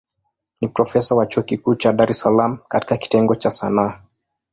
Ni profesa wa chuo kikuu cha Dar es Salaam katika kitengo cha Sanaa.